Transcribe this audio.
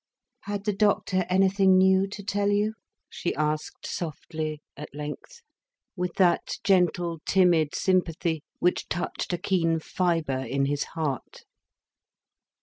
"Had the doctor anything new to tell you?" she asked, softly, at length, with that gentle, timid sympathy which touched a keen fibre in his heart.